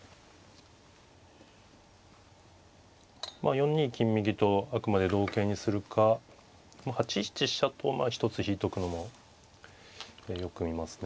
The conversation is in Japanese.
４二金右とあくまで同形にするか８一飛車と一つ引いとくのもよく見ますね。